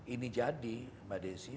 ini jadi mbak desi